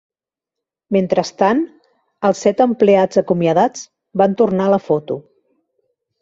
Mentrestant, els set empleats acomiadats van tornar a la foto.